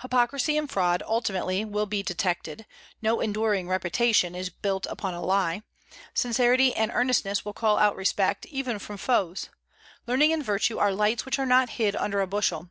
Hypocrisy and fraud ultimately will be detected; no enduring reputation is built upon a lie; sincerity and earnestness will call out respect, even from foes; learning and virtue are lights which are not hid under a bushel.